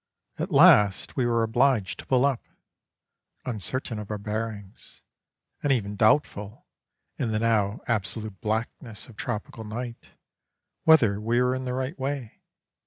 At last we were obliged to pull up, uncertain of our bearings, and even doubtful, in the now absolute blackness of tropical night, whether we were in the right way.